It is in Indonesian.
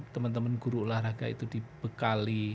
teman teman guru olahraga itu dibekali